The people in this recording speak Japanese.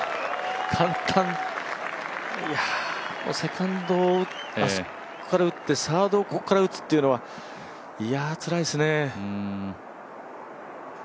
簡単、いや、セカンドをあそこから打ってサードをここから打つというのはいやつらいですね。